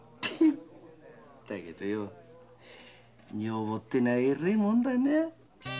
だけど女房って奴は偉ェもんだなあ。